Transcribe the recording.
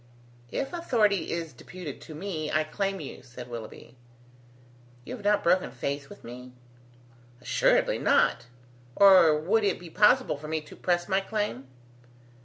"If authority is deputed to me, I claim you," said Willoughby. "You have not broken faith with me?" "Assuredly not, or would it be possible for me to press my claim?"